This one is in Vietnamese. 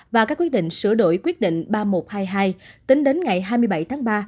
và các quyết định sửa đổi quyết định ba nghìn một trăm hai mươi hai tính đến ngày hai mươi bảy tháng ba